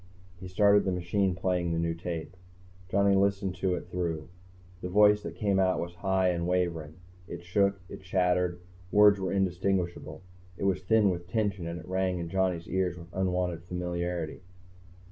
He started the machine playing the new tape. Johnny listened to it through. The voice that came out was high and wavering. It shook, it chattered, words were indistinguishable. It was thin with tension, and it rang in Johnny's ears with unwanted familiarity.